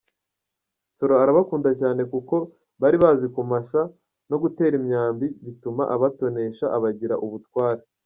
Nsoro arabakunda cyane kuko bari bazi kumasha no gutera imyambi, bituma abatonesha, abagabira ubutware.